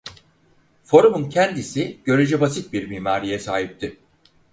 Forumun kendisi görece basit bir mimariye sahipti.